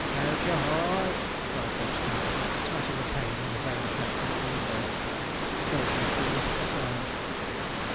'COACH A HOY!' cried Bob Spangles, smashing a pane in a vain attempt to get the window up. The coachman pulled up at the sound.